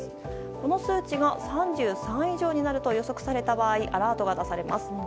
この数値が３３以上になると予測された場合アラートが出されます。